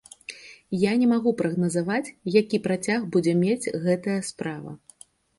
Я не магу прагназаваць, які працяг будзе мець гэтая справа.